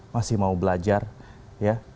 masih mau belajar ya